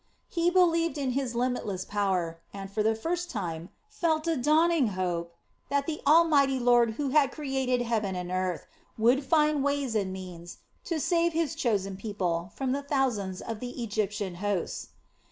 He believed in His limitless power and, for the first time, felt a dawning hope that the Mighty Lord who had created heaven and earth would find ways and means to save His chosen people from the thousands of the Egyptian hosts.